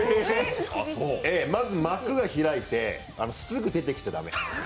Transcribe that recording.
まず、幕が開いてすぐ出てきちゃ駄目。